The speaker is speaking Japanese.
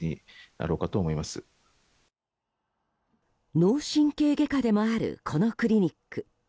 脳神経外科でもあるこのクリニック。